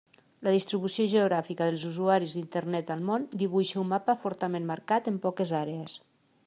La distribució geogràfica dels usuaris d'Internet al món dibuixa un mapa fortament marcat en poques àrees.